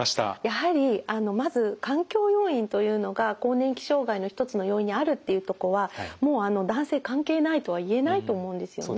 やはりあのまず環境要因というのが更年期障害の一つの要因にあるっていうとこはもうあの男性関係ないとは言えないと思うんですよね。